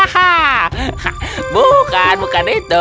hahaha bukan bukan itu